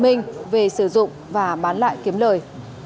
lợi nhuận về sử dụng và bán lại kiếm lời